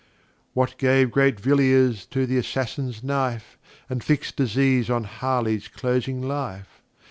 What[f] gave great Villiers to th' Assassin's Knife, And fix'd Disease on Harley's closing Life?